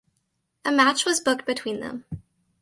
A match was booked between them.